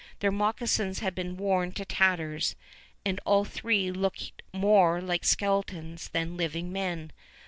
Their moccasins had been worn to tatters, and all three looked more like skeletons than living men.